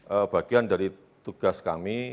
nah ini bagian dari tugas kami